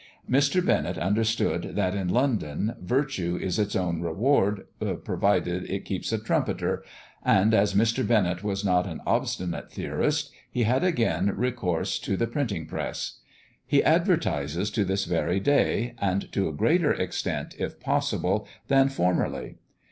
Mr. Bennett understood that in London virtue is its own reward, provided it keeps a trumpeter; and as Mr. Bennett was not an obstinate theorist, he had again recourse to the printing press. He advertises to this very day, and to a greater extent, if possible, than formerly.